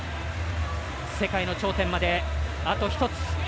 世界の頂点まであと１つ。